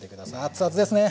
熱々ですね！